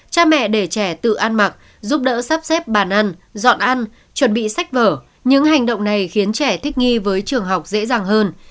cha mẹ để trẻ tự ăn mặc giúp đỡ sắp xếp bàn ăn dọn ăn chuẩn bị sách vở những hành động này khiến trẻ thích nghi với trường học dễ dàng hơn